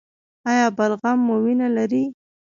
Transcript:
ایا بلغم مو وینه لري؟